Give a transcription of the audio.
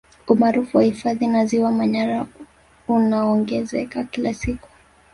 Umaarufu wa hifadhi na Ziwa Manyara hunaongezeka kila siku